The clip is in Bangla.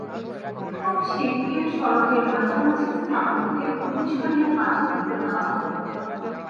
খুব শিগগির সড়কের মাঝামাঝি স্থান থেকে খুঁটি সরিয়ে পাশে পুঁতে দেওয়া হবে।